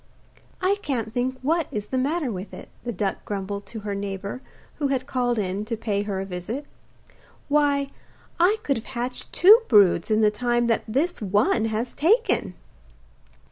'I can't think what is the matter with it,' the duck grumbled to her neighbour who had called in to pay her a visit. 'Why I could have hatched two broods in the time that this one has taken!